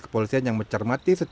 kepolisian kampung jawa barat